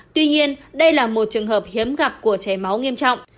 tuy nhiên đây là một trường hợp hiếm gặp của cháy máu nghiêm trọng